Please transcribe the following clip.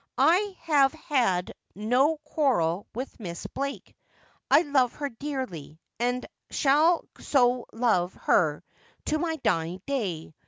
I have had n<i quarrel with Miss Blake. I love her dearly, and shall so love her to my dying day.